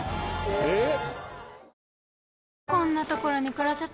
えっ！